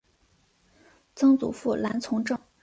曾祖父兰从政。